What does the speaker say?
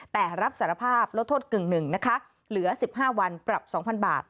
แต่รับสารภาพลดโทษกึ่งหนึ่งนะคะเหลือ๑๕วันปรับ๒๐๐บาท